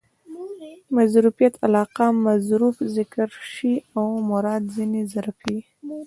مظروفیت علاقه؛ مظروف ذکر سي او مراد ځني ظرف يي.